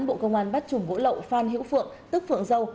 bộ công an bắt chùm gỗ lậu phan hữu phượng tức phượng dâu